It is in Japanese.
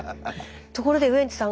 ところでウエンツさん